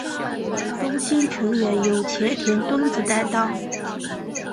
中心成员由前田敦子担当。